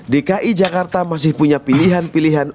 dki jakarta masih punya pilihan pilihan